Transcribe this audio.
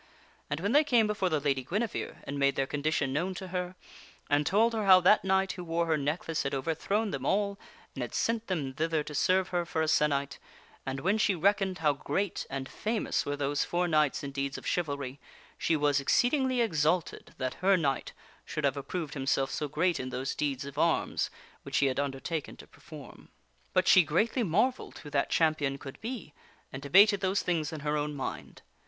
And when they came before the Lady Guinevere and made their condition known to her, and told her how that knight who wore her necklace had overthrown them all and had sent them thither to serve her for a se'night, and Guinevere is when she reckoned how great and famous were those four pleased with her knights in deeds of chivalry, she was exceedingly exalted that her knight should have approved himself so great in those deeds of arms which he had undertaken to perform. But she greatly marvelled who that champion could be, and debated those things in her own mind.